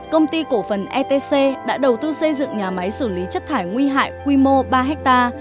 công ty cổ phần etc đã đầu tư xây dựng nhà máy xử lý chất thải nguy hại quy mô ba ha